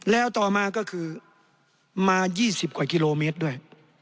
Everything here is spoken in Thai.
แล้วต่อมาก็คือมา๒๐กว่ากิโลเมตรด้วย